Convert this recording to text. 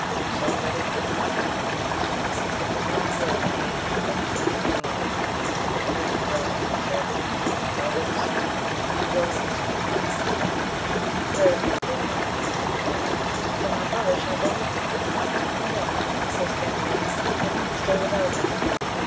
So let it be, said Gandales, but he is not yet of an age that he should leave his mother : then he went and brought him, and said. Child of the Sea, will you go with the king my master? Wherever you bid me, he replied, and my brother shall go with me. And I, quoth Gandalin, will not stay without him.